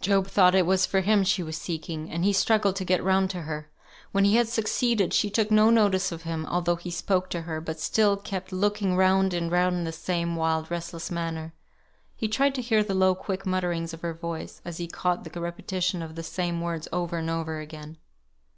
Job thought it was for him she was seeking, and he struggled to get round to her. When he had succeeded, she took no notice of him, although he spoke to her, but still kept looking round and round in the same wild, restless manner. He tried to hear the low quick mutterings of her voice, as he caught the repetition of the same words over and over again.